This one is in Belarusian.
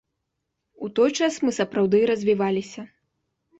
У той час мы сапраўды развіваліся.